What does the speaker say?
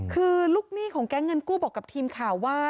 คือลูกหนี้ของแก๊งเงินกู้บอกกับทีมข่าวว่า